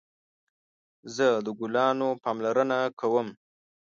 زه د ګلانو پاملرنه کوم